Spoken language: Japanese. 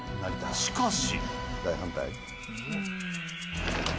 しかし。